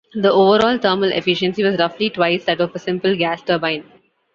The overall thermal efficiency was roughly twice that of a simple gas turbine.